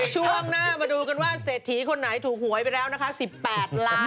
ช่วงหน้ามาดูกันว่าเศรษฐีคนไหนถูกหวยไปแล้วนะคะ๑๘ล้าน